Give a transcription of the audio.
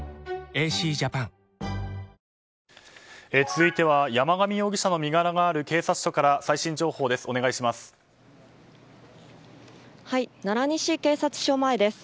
続いては山上容疑者の身柄がある警察署から最新情報です。